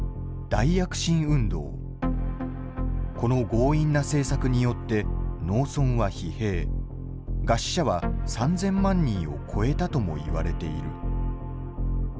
この強引な政策によって農村は疲弊餓死者は３，０００万人を超えたともいわれている。